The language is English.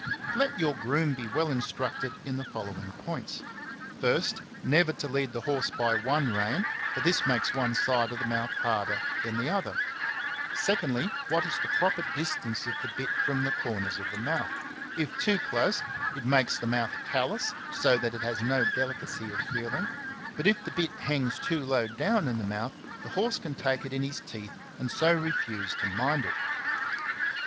Let your groom be well instructed in the following points : first, never to lead the horse by one rein,^^ for this makes one side of the mouth harder than the other; secondly, what is the proper distance of the bit from the corners of the mouth: if too close, it makes the mouth callous, so that it has no delicacy of feeling; but if the bit hangs too low down in the mouth, the horse can take it in his teeth and so refuse to mind it.